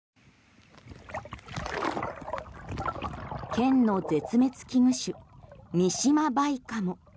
県の絶滅危惧種ミシマバイカモ。